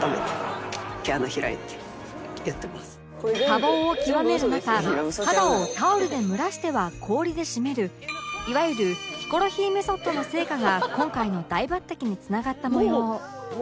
多忙を極める中肌をタオルで蒸らしては氷で締めるいわゆるヒコロヒーメソッドの成果が今回の大抜擢に繋がったもよう